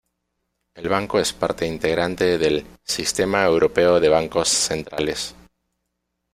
El Banco es parte integrante del Sistema Europeo de Bancos Centrales.